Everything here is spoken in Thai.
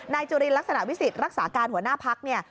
นายจุลินรักษณะวิสิทธิ์รักษาการหัวหน้าพลักษณ์